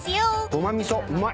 ごまみそうまい。